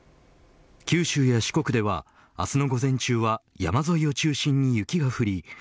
九州や四国では明日の午前中は山沿いを中心に雪が降り